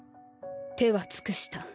手は尽くした。